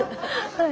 はい。